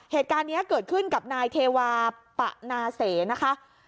เหตุการณ์นี้เกิดขึ้นกับนายเทวาปะนาเสนะคะ